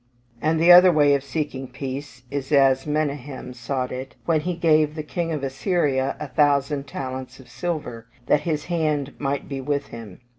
And the other way of seeking peace is as Menahem sought it when he gave the King of Assyria a thousand talents of silver, that "his hand might be with him."